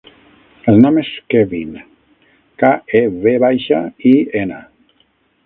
El nom és Kevin: ca, e, ve baixa, i, ena.